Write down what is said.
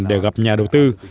để gặp nhà đầu tư